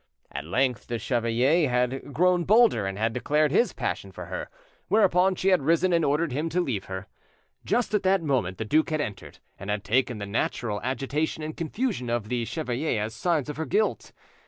At length the chevalier had grown bolder, and had declared his passion for her; whereupon she had risen and ordered him to leave her. Just at that moment the duke had entered, and had taken the natural agitation and confusion of the chevalier as signs of her guilt.